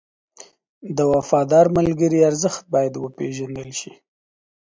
د وفادار ملګري ارزښت باید وپېژندل شي.